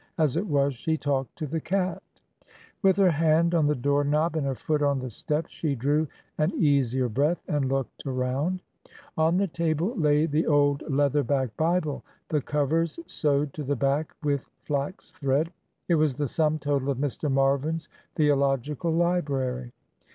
As it was, she talked to the cat. With her hand on the door knob and her foot on the step, she drew an easier breath and looked around. On the table lay the old leather back Bible, the covers sewed to the back with flax thread. It was the sum total of Mr. Marvin's theological library.